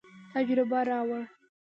تجربه راوړو.